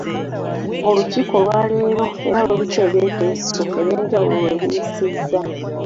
Olukiiko olwaleero era luliko ebiteeso ebyenjawulo lwe biyisiza.